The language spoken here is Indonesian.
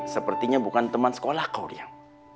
sepertinya bukan teman sekolah kau rian